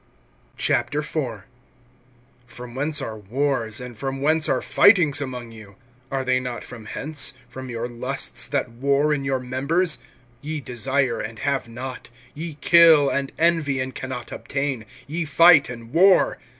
IV. FROM whence are wars, and from whence are fightings among you? Are they not from hence, from your lusts that war in your members? (2)Ye desire, and have not; ye kill, and envy, and can not obtain; ye fight and war.